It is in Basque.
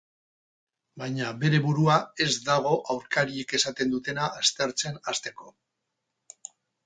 Baina bere burua ez dago aurkariek esaten dutena aztertzen hasteko.